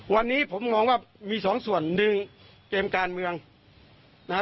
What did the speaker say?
วันนี้ผมมองว่ามีสองส่วนดึงเกมการเมืองนะฮะ